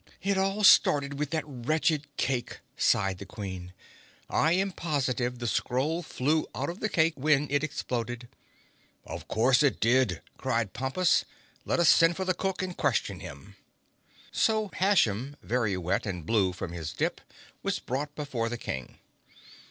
"It all started with that wretched cake," sighed the Queen. "I am positive the scroll flew out of the cake when it exploded." "Of course it did!" cried Pompus. "Let us send for the cook and question him." So Hashem, very wet and blue from his dip, was brought before the King.